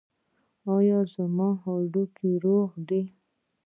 ایا زما هډوکي روغ دي؟